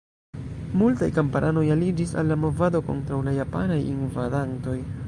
Multaj kamparanoj aliĝis al la movado kontraŭ la japanaj invadantoj.